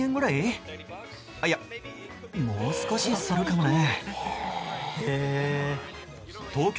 いやもう少しするかもね。